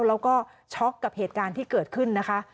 แล้วก็ช็อกกับเหตุการณ์ที่เกิดขึ้นนะคะ